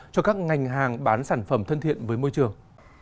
cho các ngành hàng bán sản phẩm thân thiện với môi trường